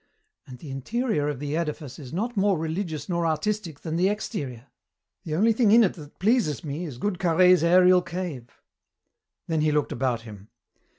"And the interior of the edifice is not more religious nor artistic than the exterior. The only thing in it that pleases me is good Carhaix's aërial cave." Then he looked about him.